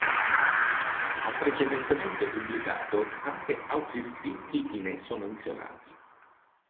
Ha precedentemente pubblicato anche altri scritti in esso menzionati.